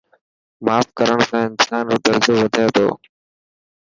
ماف ڪرڻ سان انسان رو درجو وڌي ٿو.